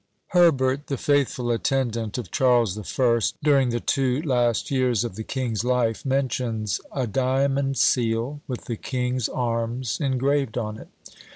Herbert, the faithful attendant of Charles the First during the two last years of the king's life, mentions "a diamond seal with the king's arms engraved on it."